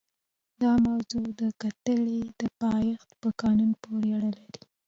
دا موضوع د کتلې د پایښت په قانون پورې اړه لري.